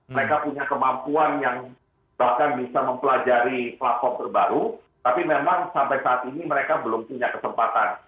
mereka punya kemampuan yang bahkan bisa mempelajari platform terbaru tapi memang sampai saat ini mereka belum punya kesempatan